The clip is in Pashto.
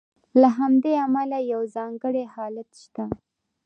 له همدې امله یو ځانګړی حالت شته.